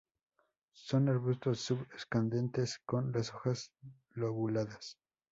Son arbustos sub escandentes con la hojas lobuladas.